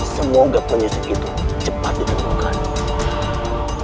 semoga penyisik itu cepat ditemukan